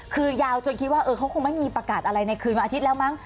คือยาวจนคิดว่าเขาคงไม่มีประกาศอะไรในคืนวันอาทิตย์แล้วมั้ง